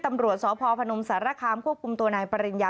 ตำรวจสพพนมสารคามควบคุมตัวนายปริญญา